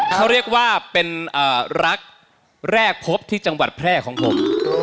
เขาเรียกว่าเป็นรักแรกพบที่จังหวัดแพร่ของผม